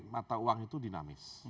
mata uang itu dinamis